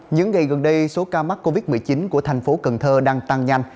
những ngày gần đây số ca mắc covid một mươi chín của thành phố cần thơ đang tăng nhanh